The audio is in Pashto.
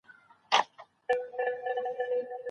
ازاده مطالعه د انسان په فکر او شعور اغېز کوي.